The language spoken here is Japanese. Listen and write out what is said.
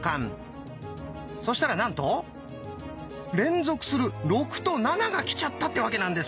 そしたらなんと連続する「６」と「７」が来ちゃったってわけなんです。